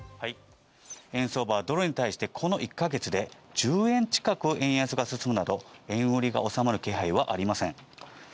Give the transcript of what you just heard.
円相場はドルに対してこの１か月で１０円近く円安が進むなど、円売りが収まる気配はありません。